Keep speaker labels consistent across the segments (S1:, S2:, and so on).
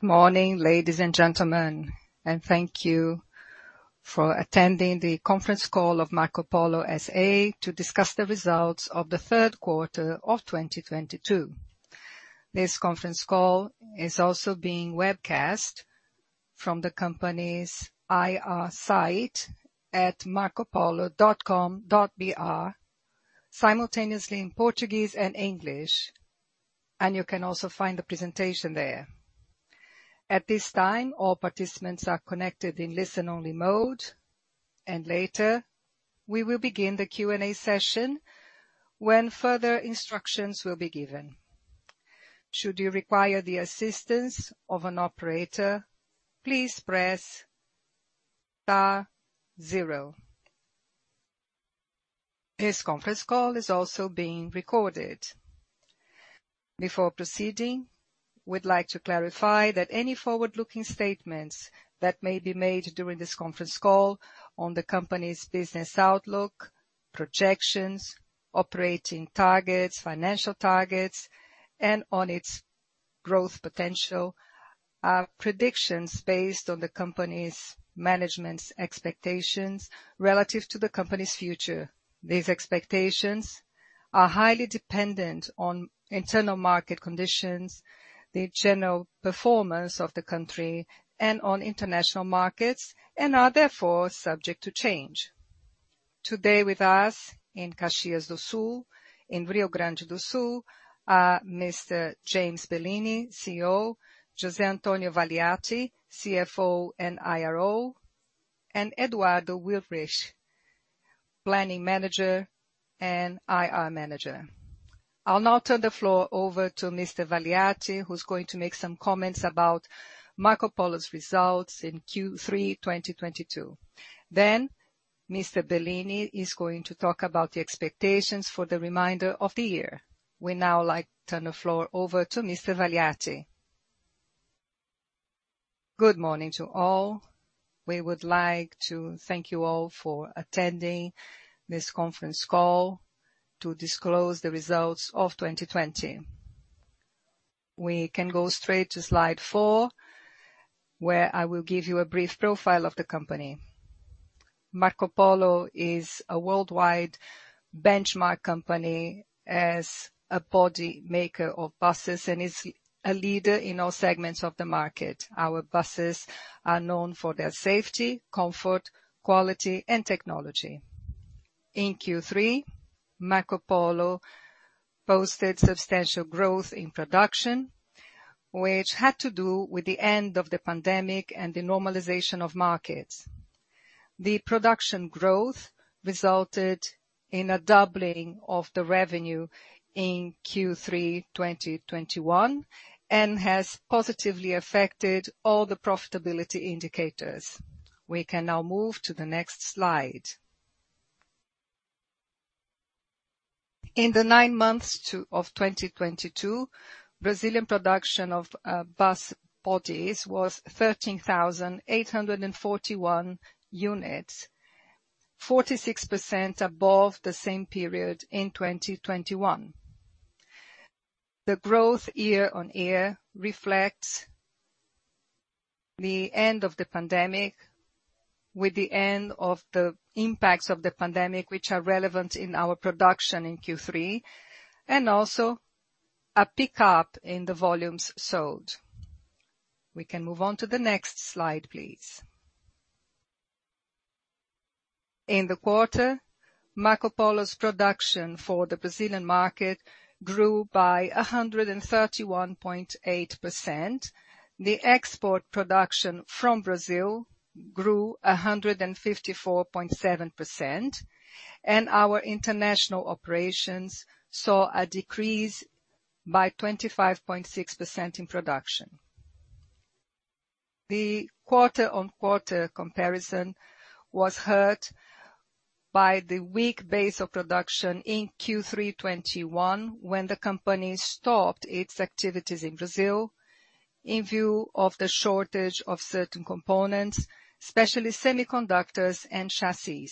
S1: Good morning, ladies and gentlemen, and thank you for attending the Conference Call of Marcopolo S.A. to discuss the results of the Third Quarter of 2022. This conference call is also being webcast from the company's IR site at marcopolo.com.br simultaneously in Portuguese and English, and you can also find the presentation there. At this time, all participants are connected in listen-only mode, and later, we will begin the Q&A session when further instructions will be given. Should you require the assistance of an operator, please press star zero. This conference call is also being recorded. Before proceeding, we'd like to clarify that any forward-looking statements that may be made during this conference call on the company's business outlook, projections, operating targets, financial targets, and on its growth potential are predictions based on the company's management's expectations relative to the company's future. These expectations are highly dependent on internal market conditions, the general performance of the country and on international markets, and are therefore subject to change. Today with us in Caxias do Sul in Rio Grande do Sul are Mr. James Bellini, CEO, José Antonio Valiati, CFO and IRO, and Eduardo Willrich, Planning Manager and IR Manager. I'll now turn the floor over to Mr. Valiati, who's going to make some comments about Marcopolo's results in Q3 2022. Then Mr. Bellini is going to talk about the expectations for the remainder of the year. We'd now like to turn the floor over to Mr. Valiati.
S2: Good morning to all. We would like to thank you all for attending this conference call to disclose the results of 2020. We can go straight to slide four, where I will give you a brief profile of the company. Marcopolo is a worldwide benchmark company as a body maker of buses and is a leader in all segments of the market. Our buses are known for their safety, comfort, quality and technology. In Q3, Marcopolo posted substantial growth in production, which had to do with the end of the pandemic and the normalization of markets. The production growth resulted in a doubling of the revenue in Q3 2021, and has positively affected all the profitability indicators. We can now move to the next slide. In the nine months of 2022, Brazilian production of bus bodies was 13,841 units, 46% above the same period in 2021. The growth year-over-year reflects the end of the pandemic with the end of the impacts of the pandemic, which are relevant in our production in Q3, and also a pickup in the volumes sold. We can move on to the next slide, please. In the quarter, Marcopolo's production for the Brazilian market grew by 131.8%. The export production from Brazil grew 154.7%, and our international operations saw a decrease by 25.6% in production. The quarter-over-quarter comparison was hurt by the weak base of production in Q3 2021 when the company stopped its activities in Brazil in view of the shortage of certain components, especially semiconductors and chassis.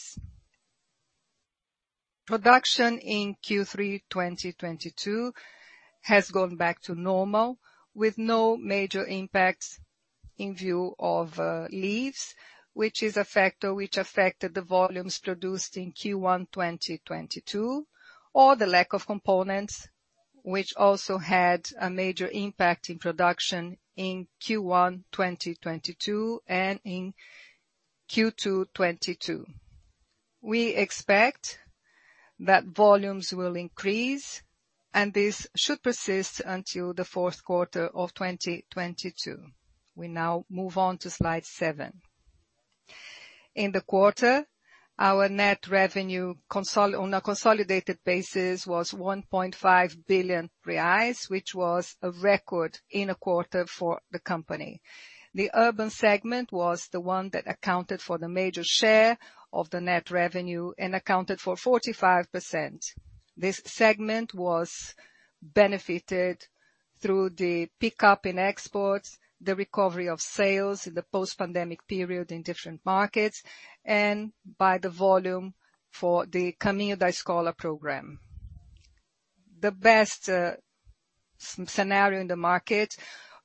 S2: Production in Q3 2022 has gone back to normal with no major impacts in view of leaves, which is a factor which affected the volumes produced in Q1 2022, or the lack of components which also had a major impact in production in Q1 2022 and in Q2 2022. We expect that volumes will increase, and this should persist until the fourth quarter of 2022. We now move on to slide seven. In the quarter, our net revenue on a consolidated basis was 1.5 billion reais, which was a record in a quarter for the company. The urban segment was the one that accounted for the major share of the net revenue and accounted for 45%. This segment was benefited through the pickup in exports, the recovery of sales in the post-pandemic period in different markets, and by the volume for the Caminho da Escola program. The best scenario in the market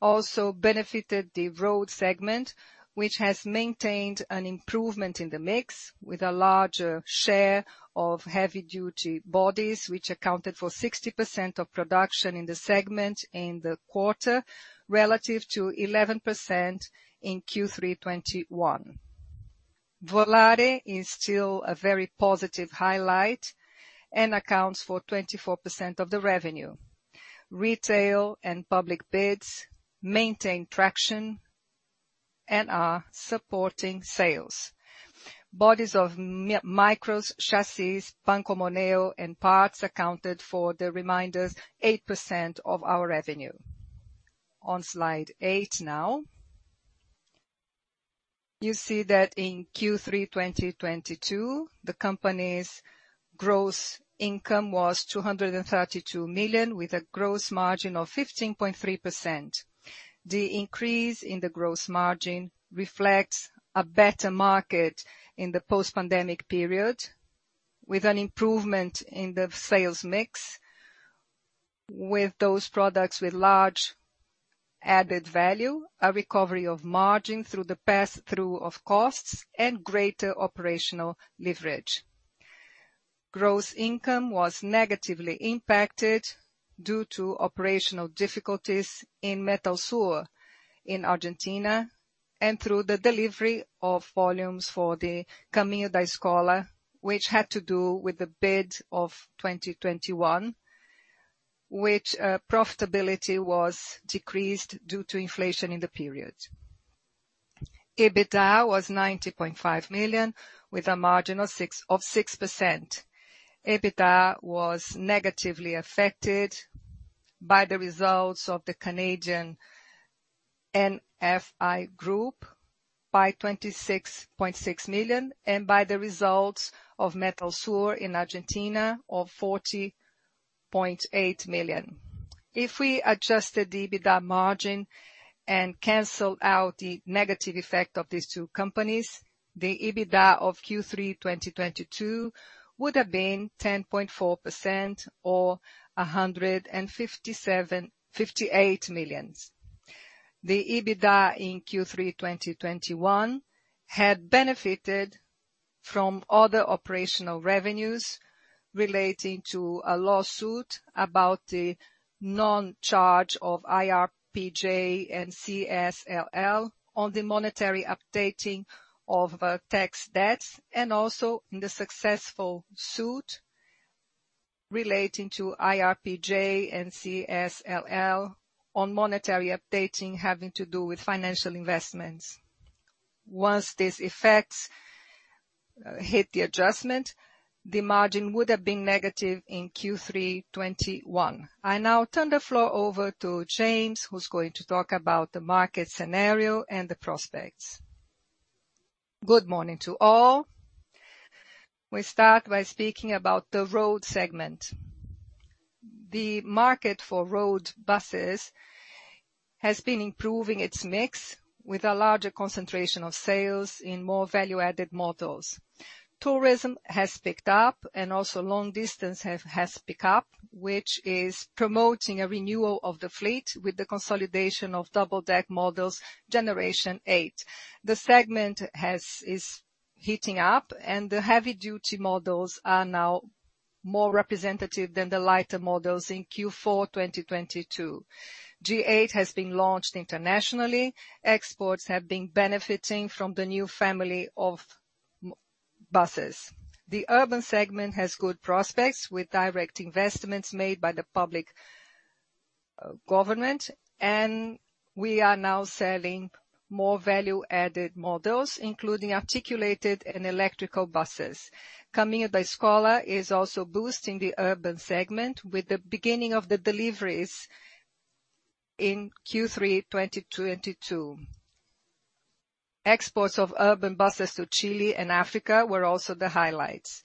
S2: also benefited the road segment, which has maintained an improvement in the mix with a larger share of heavy-duty bodies, which accounted for 60% of production in the segment in the quarter, relative to 11% in Q3 2021. Volare is still a very positive highlight and accounts for 24% of the revenue. Retail and public bids maintain traction and are supporting sales. Bodies of micros, chassis, Pancomoniho and parts accounted for the remaining 8% of our revenue. On slide eight now. You see that in Q3 2022, the company's gross income was 232 million, with a gross margin of 15.3%. The increase in the gross margin reflects a better market in the post-pandemic period, with an improvement in the sales mix with those products with large added value, a recovery of margin through the pass-through of costs and greater operational leverage. Gross income was negatively impacted due to operational difficulties in Metalsur in Argentina and through the delivery of volumes for the Caminho da Escola, which had to do with the bid of 2021, which profitability was decreased due to inflation in the period. EBITDA was 90.5 million, with a margin of 6%. EBITDA was negatively affected by the results of the Canadian NFI Group by 26.6 million and by the results of Metalsur in Argentina of 40.8 million. If we adjusted the EBITDA margin and cancel out the negative effect of these two companies, the EBITDA of Q3 2022 would have been 10.4% or 158 million. The EBITDA in Q3 2021 had benefited from other operational revenues relating to a lawsuit about the non-charge of IRPJ and CSLL on the monetary updating of tax debts and also in the successful suit relating to IRPJ and CSLL on monetary updating having to do with financial investments. Once these effects hit the adjustment, the margin would have been negative in Q3 2021. I now turn the floor over to James, who's going to talk about the market scenario and the prospects.
S3: Good morning to all. We start by speaking about the road segment. The market for road buses has been improving its mix with a larger concentration of sales in more value-added models. Tourism has picked up and also long distance has picked up, which is promoting a renewal of the fleet with the consolidation of double-deck models, Generation 8. The segment is heating up, and the heavy-duty models are now more representative than the lighter models in Q4 2022. G8 has been launched internationally. Exports have been benefiting from the new family of m-buses. The urban segment has good prospects with direct investments made by the public government, and we are now selling more value-added models, including articulated and electric buses. Caminho da Escola is also boosting the urban segment with the beginning of the deliveries in Q3 2022. Exports of urban buses to Chile and Africa were also the highlights.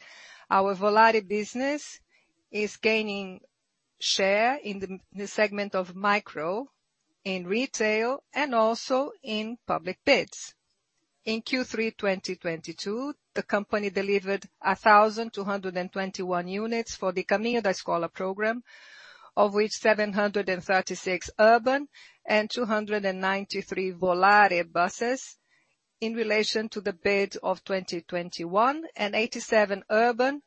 S3: Our Volare business is gaining share in the m-segment of micro, in retail, and also in public bids. In Q3 2022, the company delivered 1,221 units for the Caminho da Escola program, of which 736 urban and 293 Volare buses in relation to the bid of 2021, and 87 urban,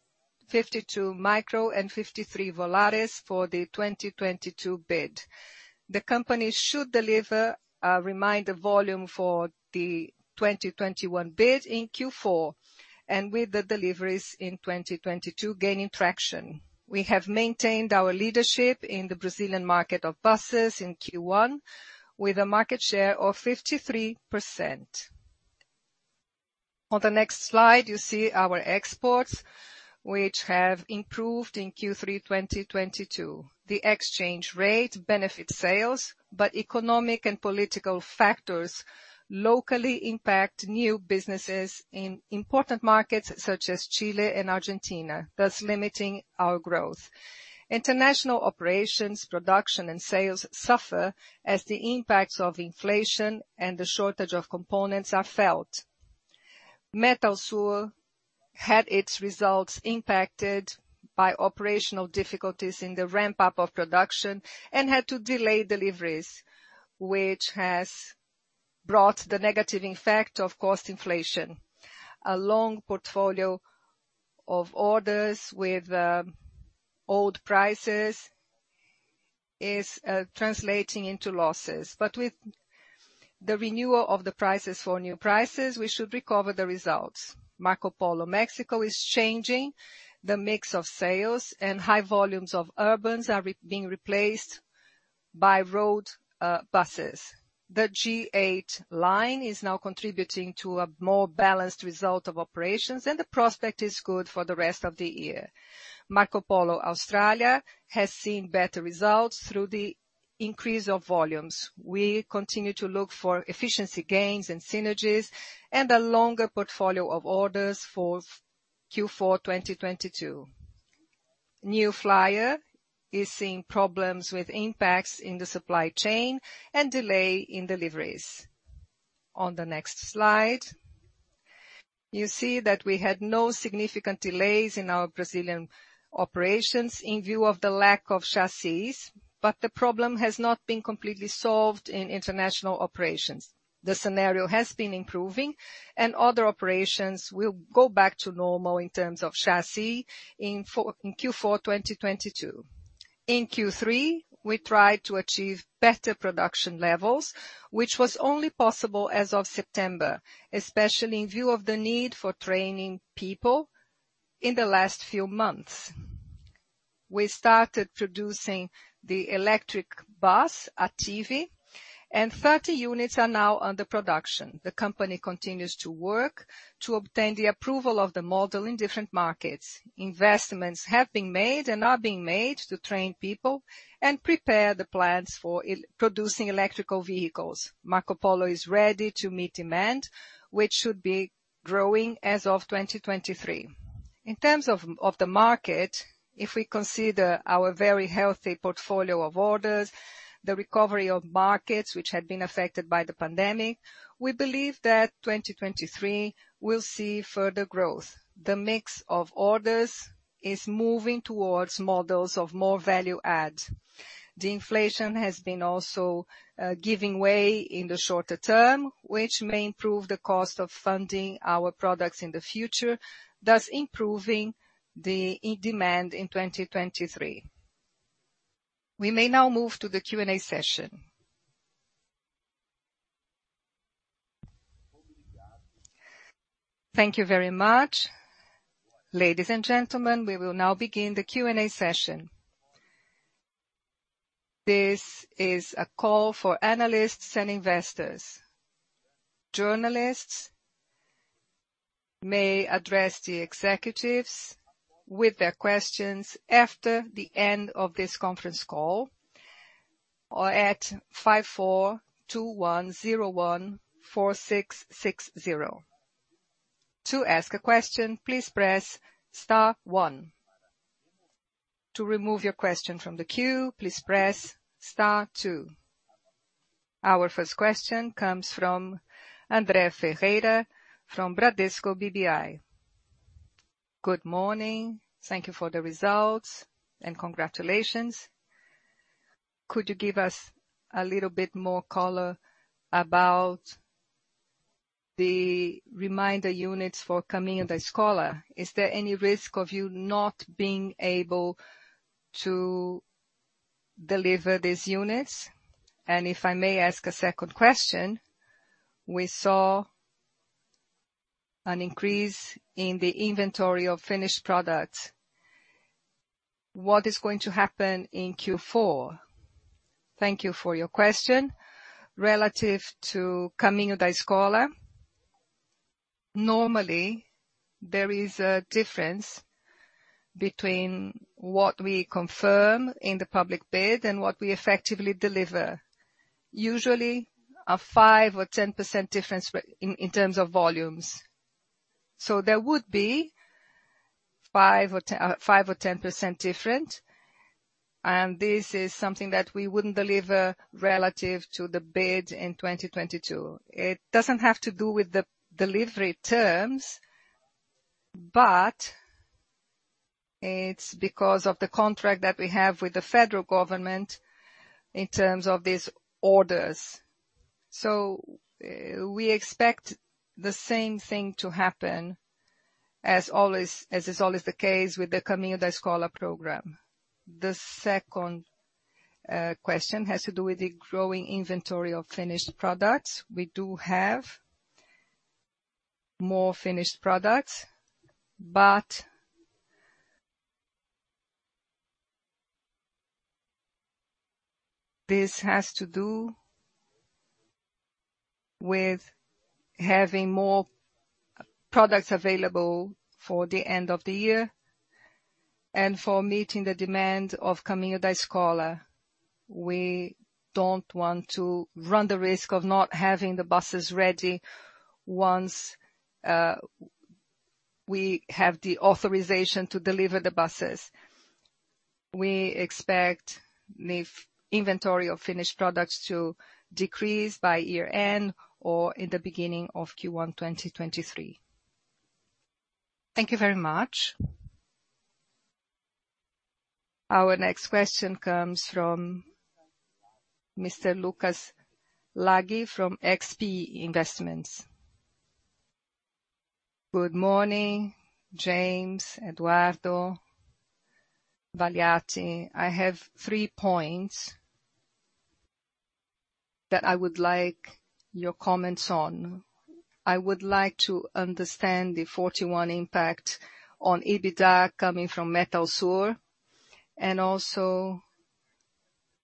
S3: 52 micro and 53 Volares for the 2022 bid. The company should deliver a remainder volume for the 2021 bid in Q4, and with the deliveries in 2022 gaining traction. We have maintained our leadership in the Brazilian market of buses in Q1 with a market share of 53%. On the next slide, you see our exports, which have improved in Q3 2022.
S2: The exchange rate benefits sales, but economic and political factors locally impact new businesses in important markets such as Chile and Argentina, thus limiting our growth. International operations, production and sales suffer as the impacts of inflation and the shortage of components are felt. Metalsur had its results impacted by operational difficulties in the ramp up of production and had to delay deliveries, which has brought the negative effect of cost inflation. A long portfolio of orders with old prices is translating into losses. With the renewal of the prices for new prices, we should recover the results. Marcopolo Mexico is changing the mix of sales, and high volumes of urbans are being replaced by Rodoviários buses. The G8 line is now contributing to a more balanced result of operations, and the prospect is good for the rest of the year. Marcopolo Australia has seen better results through the increase of volumes. We continue to look for efficiency gains and synergies and a longer portfolio of orders for Q4 2022. New Flyer is seeing problems with impacts in the supply chain and delay in deliveries. On the next slide, you see that we had no significant delays in our Brazilian operations in view of the lack of chassis, but the problem has not been completely solved in international operations. The scenario has been improving and other operations will go back to normal in terms of chassis in Q4 2022. In Q3, we tried to achieve better production levels, which was only possible as of September, especially in view of the need for training people in the last few months. We started producing the electric bus, Attivi, and 30 units are now under production. The company continues to work to obtain the approval of the model in different markets. Investments have been made and are being made to train people and prepare the plants for EV-producing electric vehicles. Marcopolo is ready to meet demand, which should be growing as of 2023. In terms of the market, if we consider our very healthy portfolio of orders, the recovery of markets which had been affected by the pandemic, we believe that 2023 will see further growth. The mix of orders is moving towards models of more value add. The inflation has been also giving way in the shorter term, which may improve the cost of funding our products in the future, thus improving the demand in 2023. We may now move to the Q&A session.
S1: Thank you very much. Ladies and gentlemen, we will now begin the Q&A session. This is a call for analysts and investors. Journalists may address the executives with their questions after the end of this conference call or at 542-101-4660. To ask a question, please press star one. To remove your question from the queue, please press star two. Our first question comes from Andre Ferreira from Bradesco BBI.
S4: Good morning. Thank you for the results and congratulations. Could you give us a little bit more color about the remainder units for Caminho da Escola? Is there any risk of you not being able to deliver these units? If I may ask a second question, we saw an increase in the inventory of finished products. What is going to happen in Q4?
S2: Thank you for your question. Relative to Caminho da Escola, normally there is a difference between what we confirm in the public bid and what we effectively deliver. Usually a 5% or 10% difference in terms of volumes. There would be 5% or 10% different. This is something that we wouldn't deliver relative to the bid in 2022. It doesn't have to do with the delivery terms, but it's because of the contract that we have with the federal government in terms of these orders. We expect the same thing to happen as always, as is always the case with the Caminho da Escola program. The second question has to do with the growing inventory of finished products. We do have more finished products, but this has to do with having more products available for the end of the year and for meeting the demand of Caminho da Escola. We don't want to run the risk of not having the buses ready once we have the authorization to deliver the buses. We expect the inventory of finished products to decrease by year end or in the beginning of Q1 2023.
S4: Thank you very much.
S1: Our next question comes from Mr. Lucas Laghi from XP Investimentos.
S5: Good morning, James, Eduardo, Valiati. I have three points that I would like your comments on. I would like to understand the 41 impact on EBITDA coming from Metalsur, and also,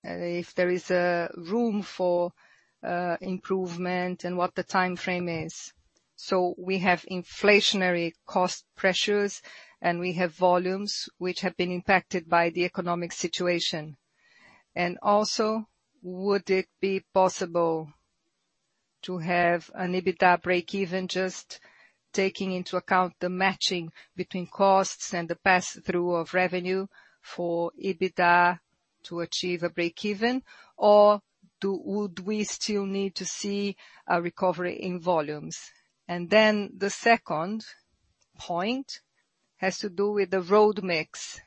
S5: if there is room for improvement and what the time frame is? We have inflationary cost pressures, and we have volumes which have been impacted by the economic situation. Would it be possible to have an EBITDA breakeven just taking into account the matching between costs and the passthrough of revenue for EBITDA to achieve a breakeven or would we still need to see a recovery in volumes? The second point has to do with the Rodoviários mix.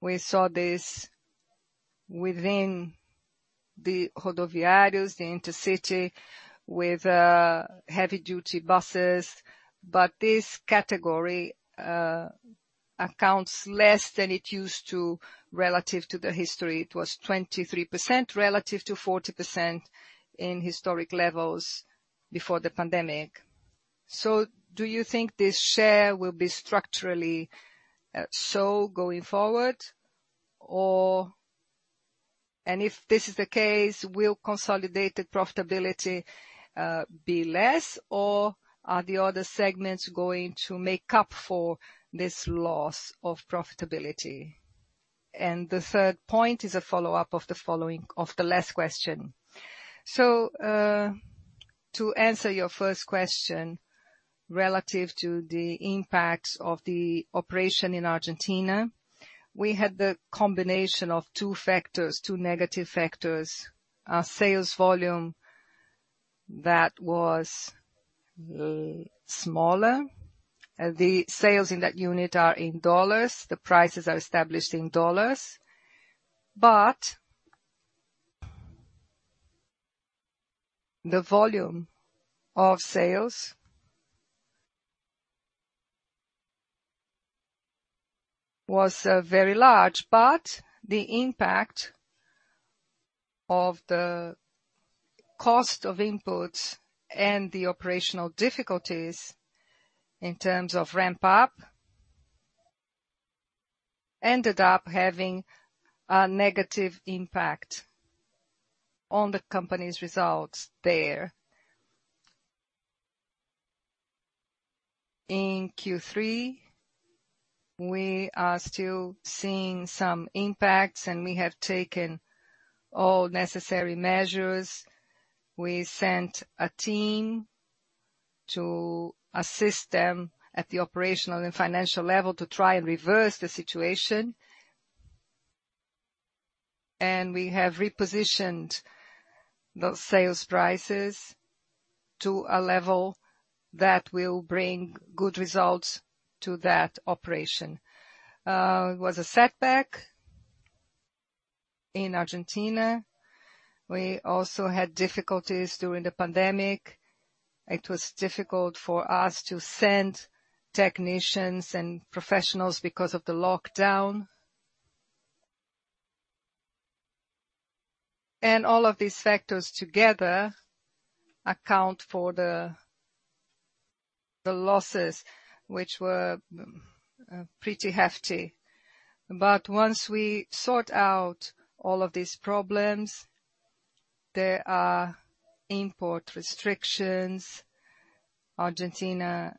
S5: We saw this within the Rodoviários, the intercity, with heavy-duty buses. This category accounts for less than it used to relative to the history. It was 23% relative to 40% in historic levels before the pandemic. Do you think this share will be structurally so going forward, or? And if this is the case, will consolidated profitability be less, or are the other segments going to make up for this loss of profitability? The third point is a follow-up of the last question.
S3: To answer your first question relative to the impact of the operation in Argentina, we had the combination of two factors, two negative factors, sales volume that was smaller. The sales in that unit are in dollars. The prices are established in dollars. But the volume of sales was very large, but the impact of the cost of inputs and the operational difficulties in terms of ramp up ended up having a negative impact on the company's results there. In Q3, we are still seeing some impacts, and we have taken all necessary measures. We sent a team to assist them at the operational and financial level to try and reverse the situation and we have repositioned those sales prices to a level that will bring good results to that operation. It was a setback in Argentina. We also had difficulties during the pandemic. It was difficult for us to send technicians and professionals because of the lockdown. All of these factors together account for the losses, which were pretty hefty. Once we sort out all of these problems, there are import restrictions. Argentina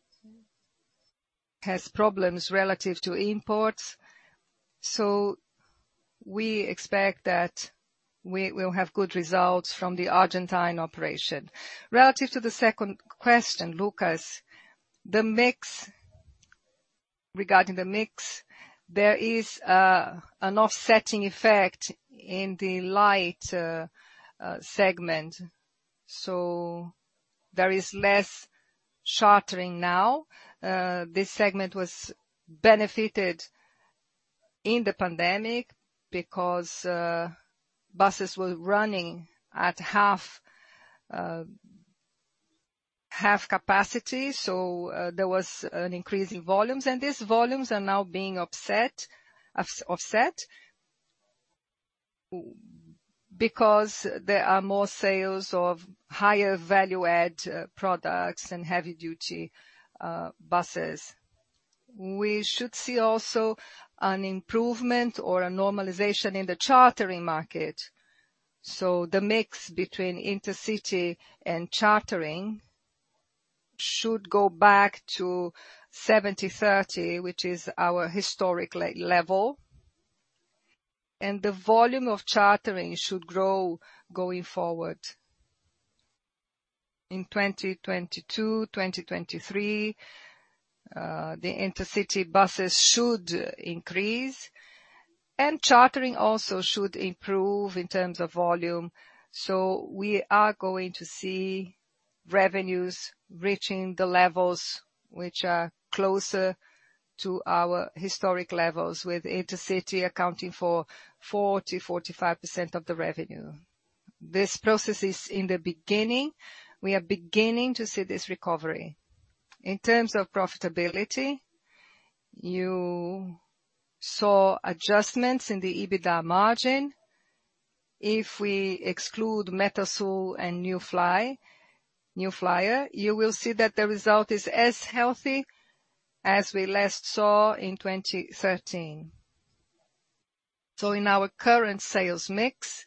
S3: has problems relative to imports, so we expect that we will have good results from the Argentine operation. Relative to the second question, Lucas, regarding the mix, there is an offsetting effect in the light segment, so there is less chartering now. This segment was benefited in the pandemic because buses were running at half capacity, so there was an increase in volumes, and these volumes are now being offset because there are more sales of higher value add products and heavy-duty buses. We should see also an improvement or a normalization in the chartering market. The mix between intercity and chartering should go back to 70/30, which is our historic level. And the volume of chartering should grow going forward. In 2022, 2023, the intercity buses should increase, and chartering also should improve in terms of volume. We are going to see revenues reaching the levels which are closer to our historic levels, with intercity accounting for 40%-45% of the revenue. This process is in the beginning. We are beginning to see this recovery. In terms of profitability, you saw adjustments in the EBITDA margin. If we exclude Metalsur and New Flyer, you will see that the result is as healthy as we last saw in 2013. In our current sales mix,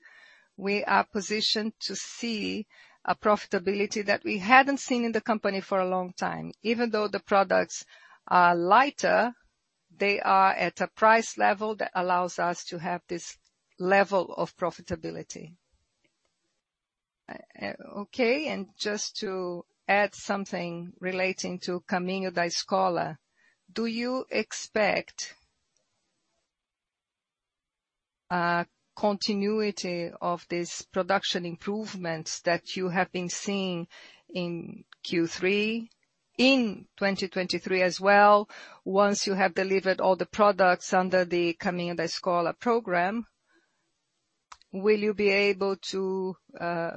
S3: we are positioned to see a profitability that we hadn't seen in the company for a long time. Even though the products are lighter, they are at a price level that allows us to have this level of profitability.
S5: Okay, and just to add something relating to Caminho da Escola, do you expect a continuity of these production improvements that you have been seeing in Q3 in 2023 as well, once you have delivered all the products under the Caminho da Escola program? Will you be able to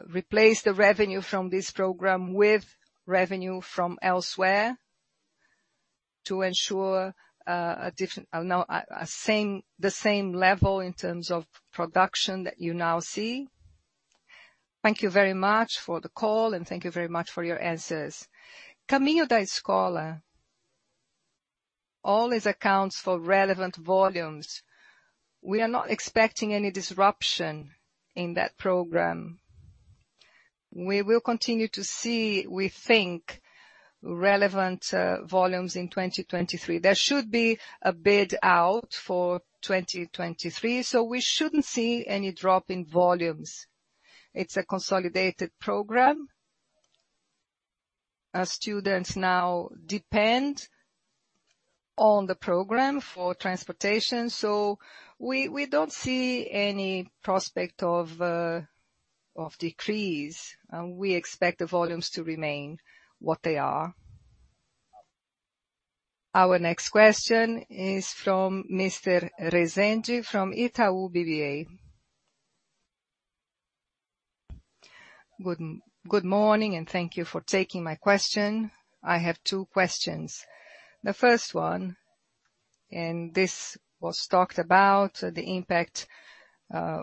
S5: replace the revenue from this program with revenue from elsewhere to ensure the same level in terms of production that you now see?
S3: Thank you very much for the call and thank you very much for your answers. Caminho da Escola always accounts for relevant volumes. We are not expecting any disruption in that program. We will continue to see, we think, relevant volumes in 2023. There should be a bid out for 2023, so we shouldn't see any drop in volumes. It's a consolidated program. Our students now depend on the program for transportation, so we don't see any prospect of decrease. We expect the volumes to remain what they are.
S1: Our next question is from Mr. Rezende from Itaú BBA.
S6: Good morning, and thank you for taking my question. I have two questions. The first one, and this was talked about, the impact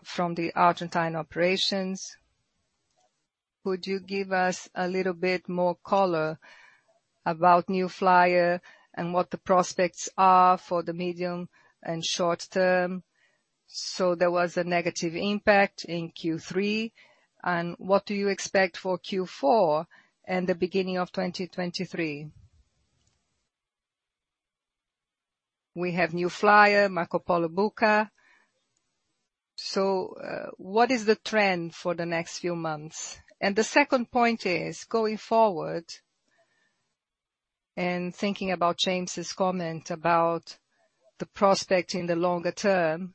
S6: from the Argentine operations. Could you give us a little bit more color about New Flyer and what the prospects are for the medium and short term? So there was a negative impact in Q3, and what do you expect for Q4 and the beginning of 2023? We have New Flyer, Marcopolo BUCA. So, what is the trend for the next few months? And the second point is, going forward, and thinking about James's comment about the prospect in the longer term,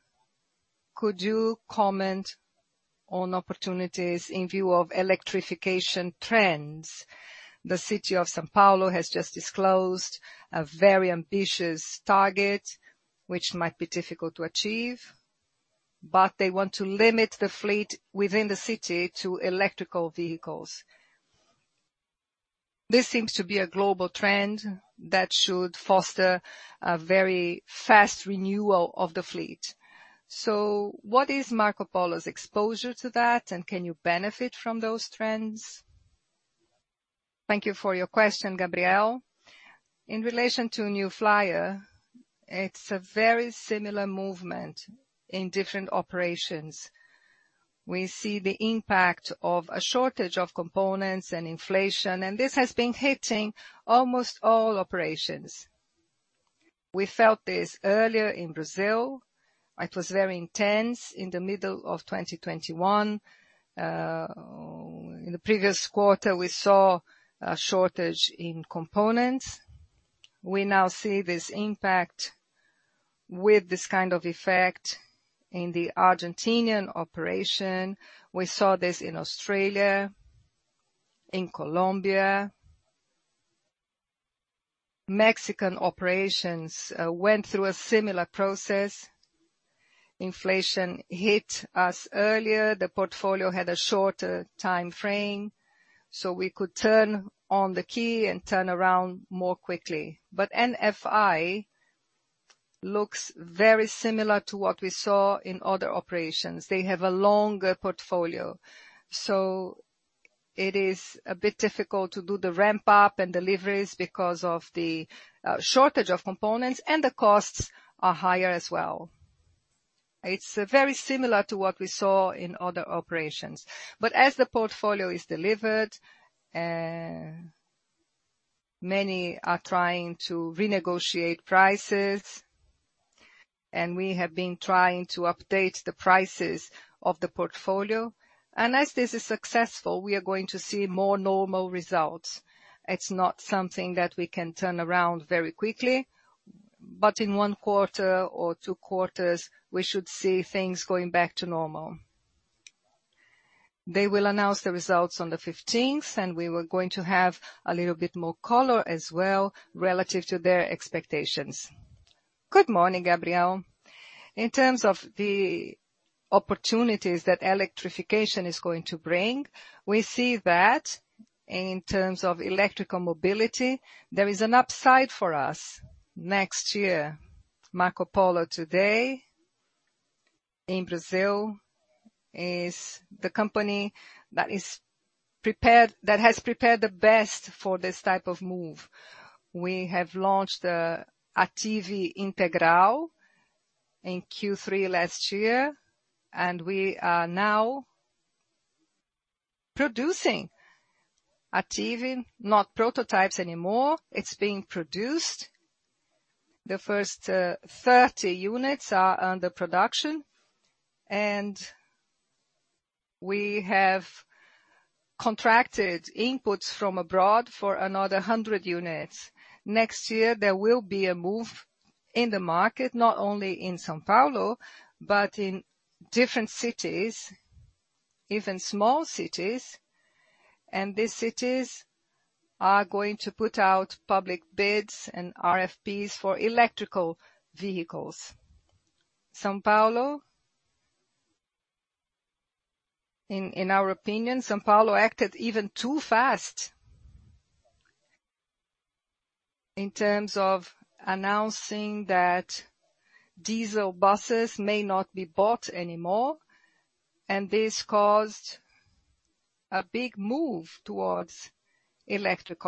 S6: could you comment on opportunities in view of electrification trends? The city of São Paulo has just disclosed a very ambitious target, which might be difficult to achieve, but they want to limit the fleet within the city to electric vehicles. This seems to be a global trend that should foster a very fast renewal of the fleet. So, what is Marcopolo's exposure to that, and can you benefit from those trends?
S2: Thank you for your question, Gabriel. In relation to New Flyer, it's a very similar movement in different operations. We see the impact of a shortage of components and inflation, and this has been hitting almost all operations. We felt this earlier in Brazil. It was very intense in the middle of 2021. In the previous quarter, we saw a shortage in components. We now see this impact with this kind of effect in the Argentinian operation. We saw this in Australia, in Colombia. Mexican operations went through a similar process. Inflation hit us earlier. The portfolio had a shorter timeframe, so we could turn on the key and turn around more quickly. But NFI looks very similar to what we saw in other operations. They have a longer portfolio, so it is a bit difficult to do the ramp up and deliveries because of the shortage of components, and the costs are higher as well. It's very similar to what we saw in other operations. As the portfolio is delivered, many are trying to renegotiate prices, and we have been trying to update the prices of the portfolio. As this is successful, we are going to see more normal results. It's not something that we can turn around very quickly, but in one quarter or two quarters, we should see things going back to normal. They will announce the results on the fifteenth, and we were going to have a little bit more color as well relative to their expectations.
S7: Good morning, Gabriel. In terms of the opportunities that electrification is going to bring, we see that in terms of electrical mobility, there is an upside for us next year. Marcopolo today in Brazil is the company that has prepared the best for this type of move. We have launched the Attivi Integral in Q3 last year, and we are now producing Attivi, not prototypes anymore. It's being produced. The first 30 units are under production, and we have contracted inputs from abroad for another 100 units. Next year, there will be a move in the market, not only in São Paulo, but in different cities, even small cities. These cities are going to put out public bids and RFPs for electrical vehicles. São Paulo, in our opinion, São Paulo acted even too fast in terms of announcing that diesel buses may not be bought anymore, and this caused a big move towards electric.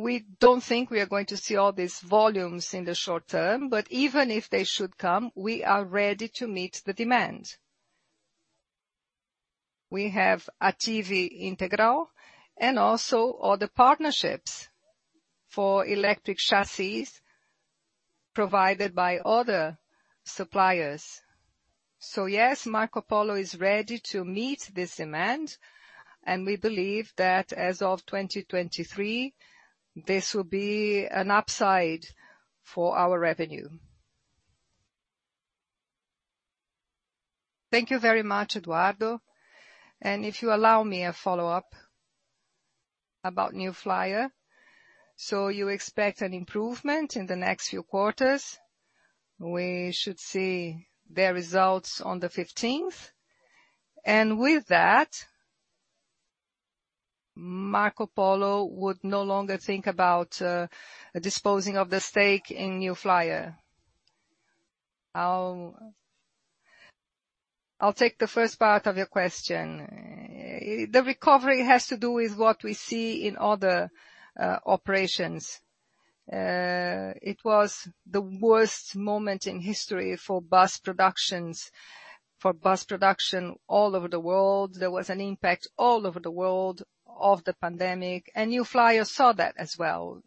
S7: We don't think we are going to see all these volumes in the short term, but even if they should come, we are ready to meet the demand. We have Attivi Integral and also other partnerships for electric chassis provided by other suppliers. Yes, Marcopolo is ready to meet this demand, and we believe that as of 2023, this will be an upside for our revenue.
S6: Thank you very much, Eduardo. If you allow me a follow-up about New Flyer. You expect an improvement in the next few quarters. We should see their results on the fifteenth. With that, Marcopolo would no longer think about disposing of the stake in New Flyer.
S3: I'll take the first part of your question. The recovery has to do with what we see in other operations. It was the worst moment in history for bus productions. For bus production all over the world. There was an impact all over the world of the pandemic, and New Flyer saw that as well.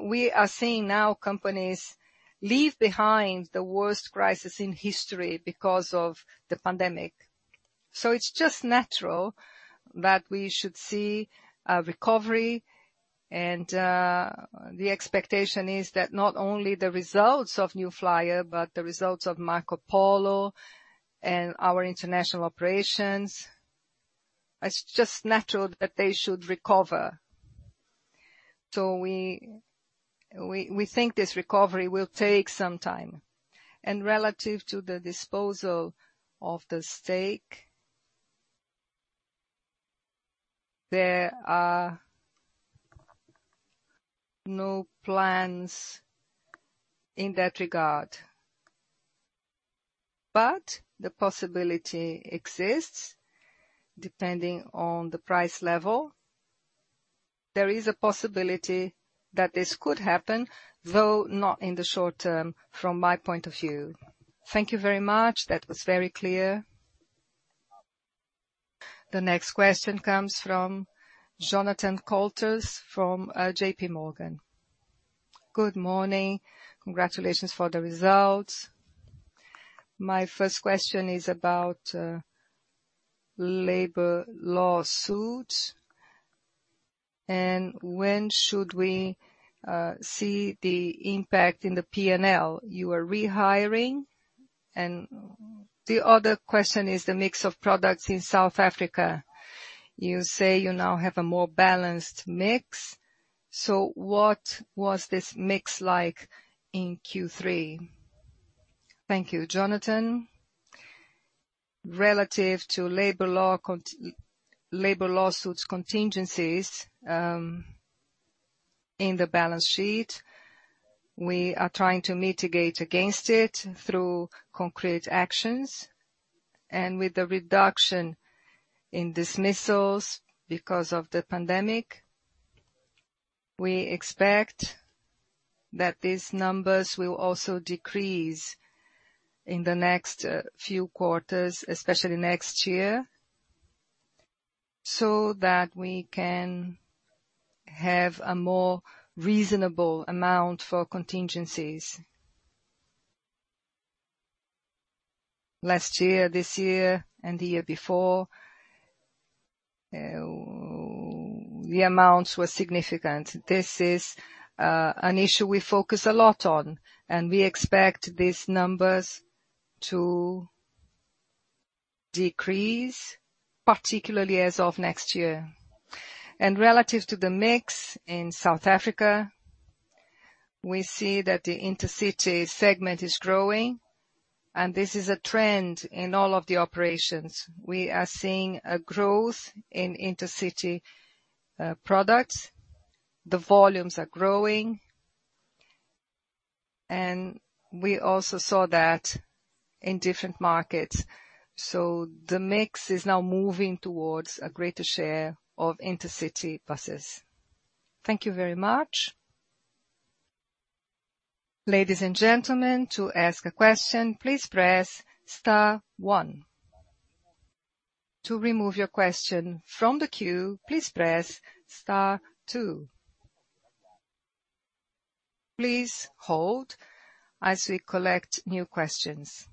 S3: We are seeing now companies leave behind the worst crisis in history because of the pandemic. It's just natural that we should see a recovery. The expectation is that not only the results of New Flyer but the results of Marcopolo and our international operations, it's just natural that they should recover. We think this recovery will take some time. Relative to the disposal of the stake, there are no plans in that regard. The possibility exists depending on the price level. There is a possibility that this could happen, though not in the short term, from my point of view.
S6: Thank you very much. That was very clear.
S1: The next question comes from Jonathan Koutras from JPMorgan.
S8: Good morning. Congratulations for the results. My first question is about labor lawsuits and when should we see the impact in the P&L? You are rehiring. The other question is the mix of products in South Africa. You say you now have a more balanced mix. So what was this mix like in Q3?
S2: Thank you, Jonathan. Relative to labor law lawsuits contingencies in the balance sheet, we are trying to mitigate against it through concrete actions and with the reduction in dismissals because of the pandemic. We expect that these numbers will also decrease in the next few quarters, especially next year, so that we can have a more reasonable amount for contingencies. Last year, this year and the year before, the amounts were significant. This is an issue we focus a lot on, and we expect these numbers to decrease, particularly as of next year. Relative to the mix in South Africa, we see that the intercity segment is growing and this is a trend in all of the operations. We are seeing a growth in intercity products. The volumes are growing and we also saw that in different markets. The mix is now moving towards a greater share of intercity buses.
S1: Thank you very much. Ladies and gentlemen, to ask a question, please press star one. To remove your question from the queue, please press star two. Please hold as we collect new questions.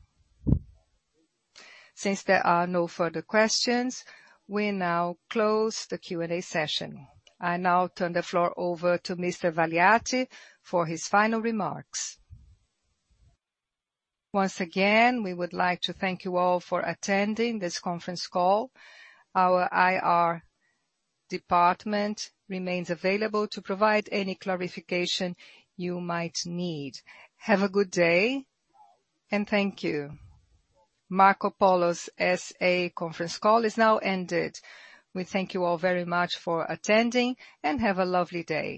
S1: Since there are no further questions, we now close the Q&A session. I now turn the floor over to Mr. Valiati for his final remarks.
S2: Once again, we would like to thank you all for attending this conference call. Our IR department remains available to provide any clarification you might need. Have a good day, and thank you.
S1: Marcopolo S.A. conference call is now ended. We thank you all very much for attending and have a lovely day.